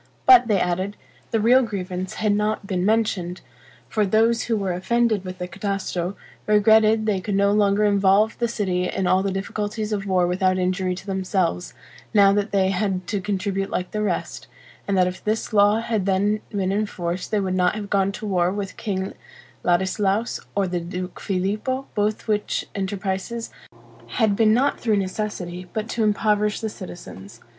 But, they added, the real grievance had not been mentioned: for those who were offended with the Catasto, regretted they could no longer involve the city in all the difficulties of war without injury to themselves, now that they had to contribute like the rest; and that if this law had then been in force they would not have gone to war with King Ladislaus, or the Duke Filippo, both which enterprises had been not through necessity, but to impoverish the citizens.